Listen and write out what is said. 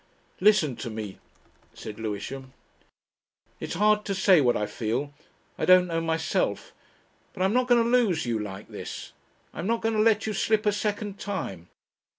"Listen to me," said Lewisham. "It is hard to say what I feel. I don't know myself.... But I'm not going to lose you like this. I'm not going to let you slip a second time.